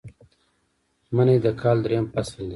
منی د کال دریم فصل دی